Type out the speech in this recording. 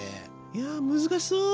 いや難しそう。